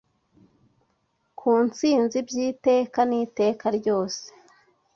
ku ntsinzi by’iteka n iteka ryose